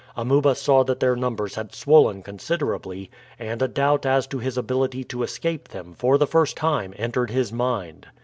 Amuba saw that their numbers had swollen considerably, and a doubt as to his ability to escape them for the first time entered his mind.